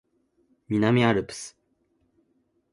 南アルプス